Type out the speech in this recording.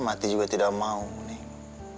mati juga tidak mau nih